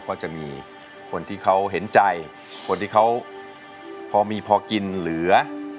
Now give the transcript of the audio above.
ก็จะมีคนที่เขาเห็นใจคนที่เขาพอมีพอกินเหลือ